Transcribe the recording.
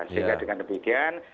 sehingga dengan demikian